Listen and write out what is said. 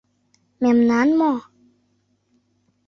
Мемнан мо?